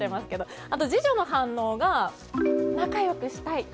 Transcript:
続いて、次女の反応は仲良くしたい。